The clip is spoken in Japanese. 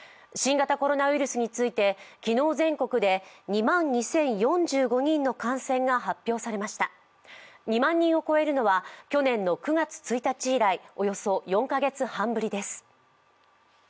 新型コロナウイルスについて昨日、全国で２万２０４５人の感染が発表されました２万人を超えるのは去年の９月１日以来およそ４カ月半ぶりです。